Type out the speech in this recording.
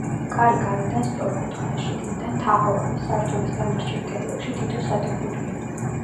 კარი გარედან სწორკუთხაა, შიგნიდან თაღოვანი, სართულის დანარჩენ კედლებში თითო სათოფურია.